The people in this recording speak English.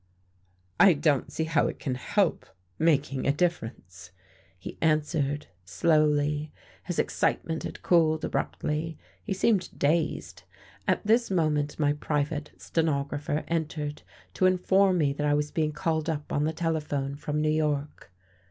"I don't see how it can help making a difference," he answered slowly. His excitement had cooled abruptly: he seemed dazed. At this moment my private stenographer entered to inform me that I was being called up on the telephone from New York.